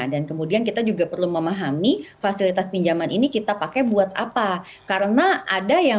dan kemudian kita juga perlu memahami fasilitas pinjaman ini kita pakai buat apa karena ada yang